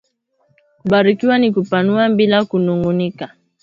Kubarikiwa ni kupana bila kunungunika